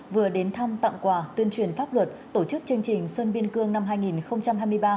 vừa đến thăm tặng quà tuyên truyền pháp luật tổ chức chương trình xuân biên cương năm hai nghìn hai mươi ba tại hai xã biên giới